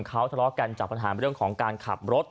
เขาทะเลาะกันจากปัญหาเรื่องของการขับรถ